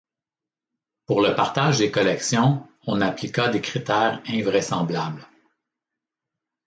Pour le partage des collections, on appliqua des critères invraisemblables.